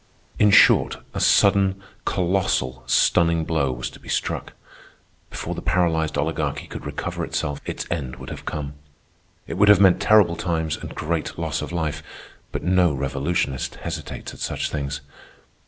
In short, a sudden, colossal, stunning blow was to be struck. Before the paralyzed Oligarchy could recover itself, its end would have come. It would have meant terrible times and great loss of life, but no revolutionist hesitates at such things.